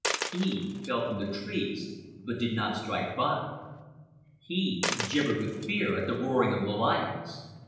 He fell from the trees but did not strike bottom. He gibbered with fear at the roaring of the lions.